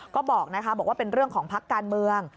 ก็บอกนะคะบอกว่าเป็นเรื่องของพักการเมือง